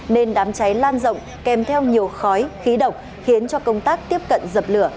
nên đám cháy lan rộng kèm theo nhiều khói khí độc khiến cho công tác tiếp cận dập lửa